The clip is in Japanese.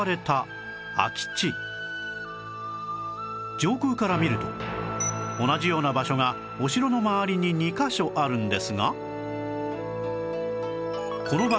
上空から見ると同じような場所がお城の周りに２カ所あるんですが